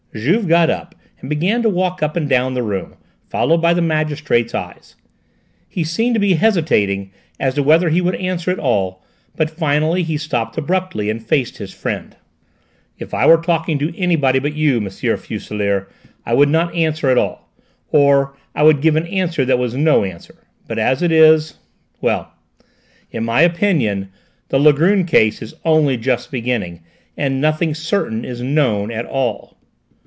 Juve got up and began to walk up and down the room, followed by the magistrate's eyes. He seemed to be hesitating as to whether he would answer at all, but finally he stopped abruptly and faced his friend. "If I were talking to anybody but you, M. Fuselier, I would either not answer at all, or I would give an answer that was no answer! But as it is , well, in my opinion, the Langrune case is only just beginning, and nothing certain is known at all."